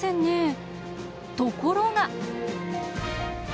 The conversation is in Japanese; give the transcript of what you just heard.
ところが。